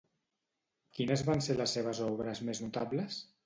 Quines van ser les seves obres més notables?